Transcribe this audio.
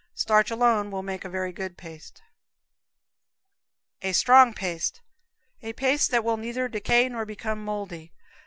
Starch alone will make a very good paste. A Strong Paste. A paste that will neither decay nor become moldy.